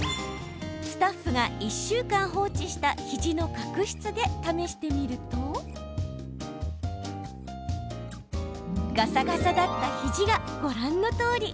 スタッフが１週間放置した肘の角質で試してみるとガサガサだった肘がご覧のとおり。